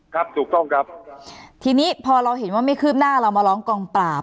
ครับถูกต้องครับทีนี้พอเราเห็นว่าไม่คืบหน้าเรามาร้องกองปราบ